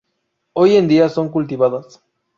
Hoy en día son cultivadas.